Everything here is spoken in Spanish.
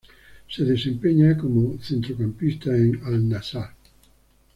Se desempeña como centrocampista en el Al-Nassr.